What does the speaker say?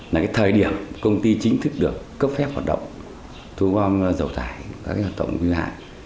là cái thời điểm công ty chính thức được cấp phép hoạt động thu gom dầu thải các hoạt động nguy hại